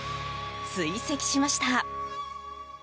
追跡しました。